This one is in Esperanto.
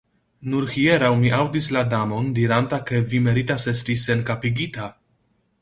"Nur hieraŭ mi aŭdis la Damon diranta ke vi meritas esti senkapigita."